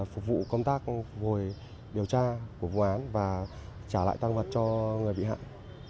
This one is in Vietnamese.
hồi điều tra của vụ án và trả lại tang vật cho người bị hạn